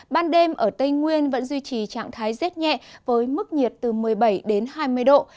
ban đêm ở tây nguyên vẫn duy trì trạng thái rét nhẹ với mức nhiệt từ một mươi bảy đến hai mươi độ